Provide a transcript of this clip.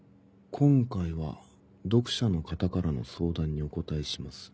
「今回は読者の方からの相談にお答えします」。